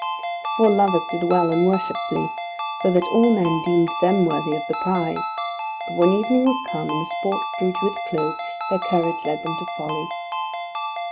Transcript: The four lovers did well and worshipfully, so that all men deemed them worthy of the prize. But when evening was come, and the sport drew to its close, their courage led them to folly.